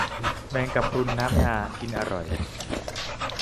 แมงกะพรุนน้ำมันงา กินอร่อย